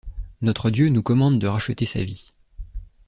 Notre Dieu nous commande de racheter sa vie.